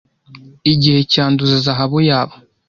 igihe cyanduza zahabu yabo